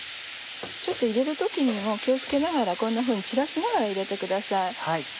ちょっと入れる時にも気を付けながらこんなふうに散らしながら入れてください。